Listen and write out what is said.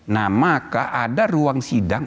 nah maka ada ruang sidang